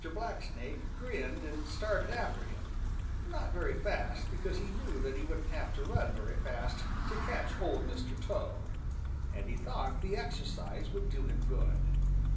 Blacksnake grinned and started after him, not very fast because he knew that he wouldn't have to run very fast to catch Old Mr. Toad, and he thought the exercise would do him good.